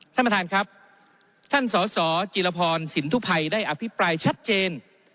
ท่านประธานครับท่านสสจิรพรสินทุภัยได้อภิปรายชัดเจน